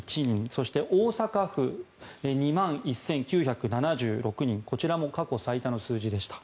そして大阪府、２万１９７６人こちらも過去最多の数字でした。